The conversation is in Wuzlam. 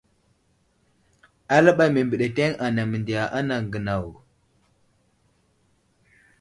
Aləɓay məbeɗeteŋ anaŋ mendiya anaŋ gənaw.